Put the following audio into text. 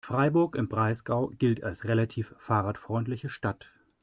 Freiburg im Breisgau gilt als relativ fahrradfreundliche Stadt.